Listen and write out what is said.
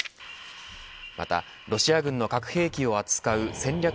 またロシア軍の核兵器を扱う戦略